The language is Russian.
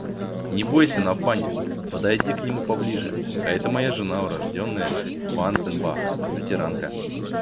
Не бойся, Нафаня! Подойди к нему поближе... А это моя жена, урожденная Ванценбах... лютеранка.